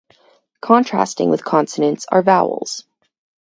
Contrasting with consonants are vowels.